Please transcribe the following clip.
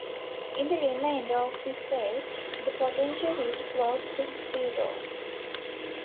In the remainder of the cell the potential is close to zero.